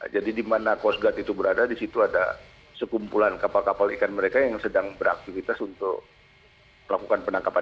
jadi dimana coast guard itu berada disitu ada sekumpulan kapal kapal ikan mereka yang sedang beraktivitas untuk melakukan penangkapan ikan